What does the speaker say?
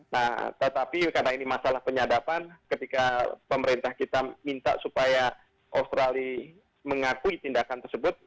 nah tetapi karena ini masalah penyadapan ketika pemerintah kita minta supaya australia mengakui tindakan tersebut